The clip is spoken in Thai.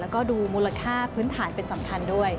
แล้วก็ดูมูลค่าพื้นฐานเป็นสำคัญด้วย